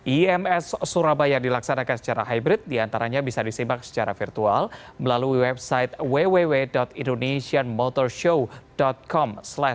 ims surabaya dilaksanakan secara hybrid diantaranya bisa disimak secara virtual melalui website www indonesian motorshow com